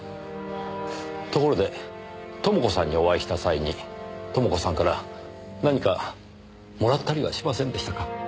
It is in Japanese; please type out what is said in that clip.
ところで朋子さんにお会いした際に朋子さんから何かもらったりはしませんでしたか？